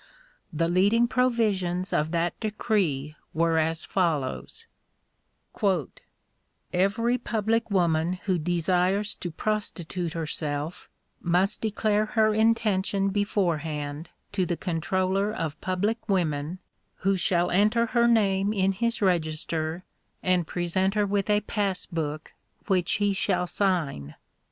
The leading provisions of that decree were as follows: "Every public woman who desires to prostitute herself must declare her intention beforehand to the Comptroller of Public Women, who shall enter her name in his register, and present her with a pass book which he shall sign."